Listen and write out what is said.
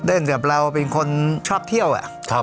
เรื่องเกี่ยวกับเราเป็นคนชอบเที่ยวอะ